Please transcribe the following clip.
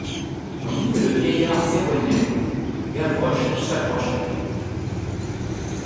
Tandis que le vieillard s’éloignait, Gavroche s’approchait.